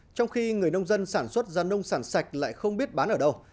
trong khi người nông dân sản xuất ra nông sản sạch lại không biết bán ở đâu